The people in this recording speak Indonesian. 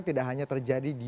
tidak hanya terjadi di